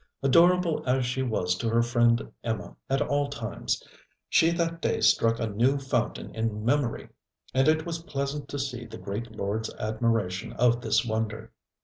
Adorable as she was to her friend Emma at all times, she that day struck a new fountain in memory. And it was pleasant to see the great lord's admiration of this wonder.